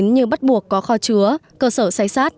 như bắt buộc có kho chứa cơ sở xay sát